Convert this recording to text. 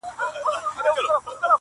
o ازمويلی بيامه ازمايه.